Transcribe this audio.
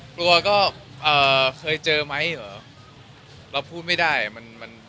กลัวก็เอ่อเคยเจอไหมเหรอเราพูดไม่ได้อ่ะมันมัน